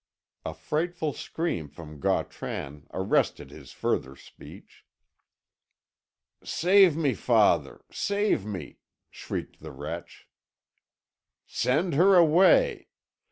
A frightful scream from Gautran arrested his further speech. "Save me, father save me!" shrieked the wretch. "Send her away!